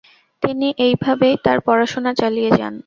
তিনি এইভাবেই তার পড়াশোনা চালিয়ে যান।